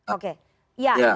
oke bang ade